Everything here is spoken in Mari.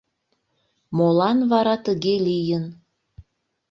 Молан вара тыге лийын?